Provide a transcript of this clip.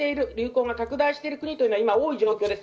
完全に拡大している国は今多い状況です。